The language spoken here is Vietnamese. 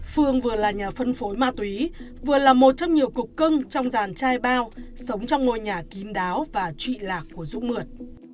phương vừa là nhà phân phối ma túy vừa là một trong nhiều cục cưng trong dàn trai bao sống trong ngôi nhà kín đáo và trụy lạc của dũng mượt